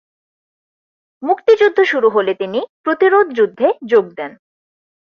মুক্তিযুদ্ধ শুরু হলে তিনি প্রতিরোধযুদ্ধে যোগ দেন।